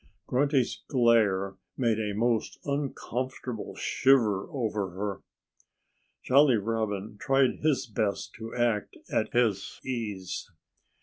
Grunty's glare sent a most uncomfortable shiver over her. Jolly Robin tried his best to act at his ease.